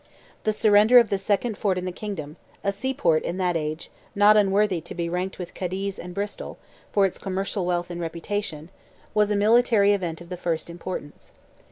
The surrender of "the second fort in the Kingdom"—a sea port in that age, not unworthy to be ranked with Cadiz and Bristol, for its commercial wealth and reputation—was a military event of the first importance.